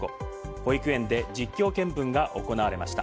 保育園で実況見分が行われました。